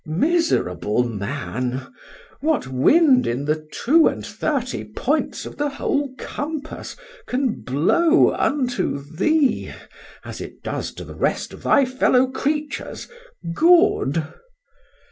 —Miserable man! what wind in the two and thirty points of the whole compass can blow unto thee, as it does to the rest of thy fellow creatures, good?